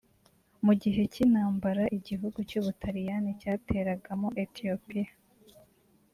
Mu gihe cy’intambara igihugu cy’ubutaliyani cyateragamo Ethiopia